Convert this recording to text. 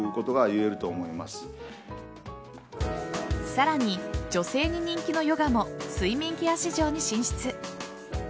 さらに女性に人気のヨガも睡眠ケア市場に進出。